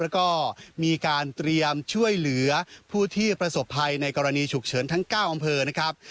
แล้วก็มีการเตรียมช่วยเหลือผู้ที่ประสบภัยในกรณีฉุกเฉินทั้ง๙อำเภอนะครับ